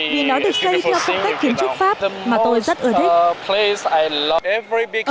vì nó được xây theo sung cách kiến trúc pháp mà tôi rất ưa thích